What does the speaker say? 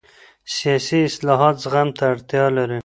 سیاسي اصلاحات زغم ته اړتیا لري